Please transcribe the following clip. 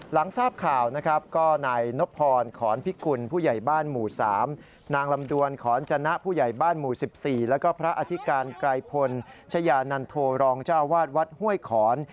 หลังทราบข่าวนะครับก็นายนพข